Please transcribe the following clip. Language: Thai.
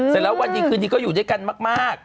เสร็จแล้ววันดีคืนนี้ก็อยู่ด้วยกันมาก